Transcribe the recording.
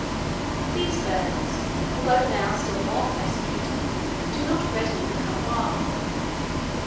These birds, although now still more persecuted, do not readily become wild.